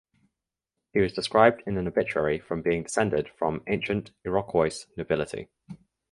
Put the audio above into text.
He was described in an obituary as being descended from "ancient Iroquois nobility".